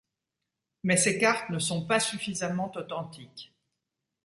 Mais ces cartes ne sont pas suffisamment authentiques.